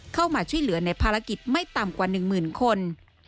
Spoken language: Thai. เข้ามาช่วยเหลือในภารกิจไม่ต่ำกว่า๑หมื่นคน